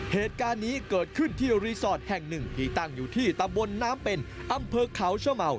เหตุการณ์นี้เกิดขึ้นที่รีสอร์ทแห่งหนึ่งที่ตั้งอยู่ที่ตำบลน้ำเป็นอำเภอเขาชะเมา